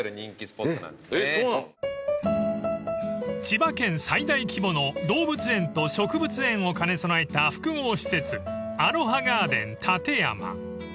［千葉県最大規模の動物園と植物園を兼ね備えた複合施設アロハガーデンたてやま］